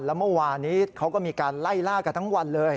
แล้วเมื่อวานี้เขาก็มีการไล่ล่ากันทั้งวันเลย